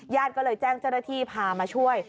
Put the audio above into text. ก็เลยแจ้งเจ้าหน้าที่พามาช่วย